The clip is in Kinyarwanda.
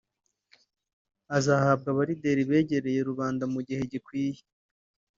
azahabwa Abalideri begereye rubanda mu gihe gikwiye